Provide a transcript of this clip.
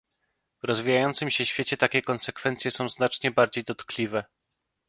W rozwijającym się świecie takie konsekwencje są znacznie bardziej dotkliwe